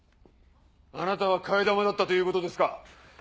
あなたは替え玉だったということですか？